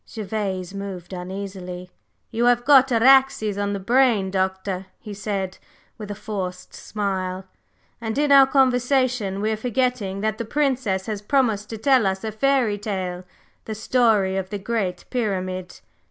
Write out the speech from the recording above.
Gervase moved uneasily. "You have got Araxes on the brain, Doctor," he said, with a forced smile, "and in our conversation we are forgetting that the Princess has promised to tell us a fairy tale, the story of the Great Pyramid."